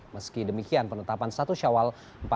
meski demikian penetapan satu syawal